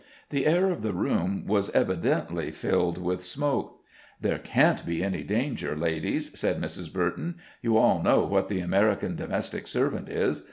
The air of the room was evidently filled with smoke. "There can't be any danger, ladies," said Mrs. Burton. "You all know what the American domestic servant is.